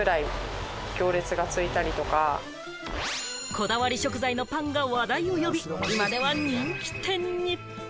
こだわり食材のパンが話題を呼び、今では人気店に。